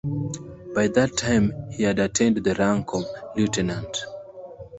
By that time he had attained the rank of Lieutenant.